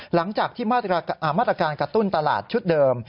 หลังจากที่มาตรการกระตุ้นตลาดชุดเดิม